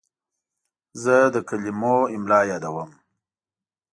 زه د کلمو املا یادوم.